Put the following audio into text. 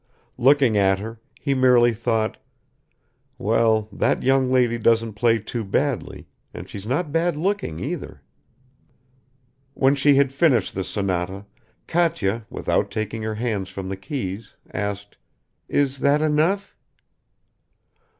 Looking at her, he merely thought, "Well, that young lady doesn't play too badly, and she's not bad looking, either." When she had finished the sonata, Katya, without taking her hands from the keys, asked, "Is that enough?"